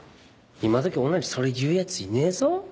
今どき女にそれ言うやついねえぞ。